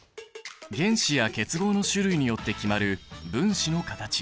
原子や結合の種類によって決まる分子の形。